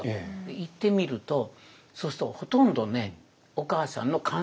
行ってみるとそうするとほとんどねお母さんの観察力です。